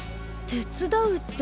手伝うって。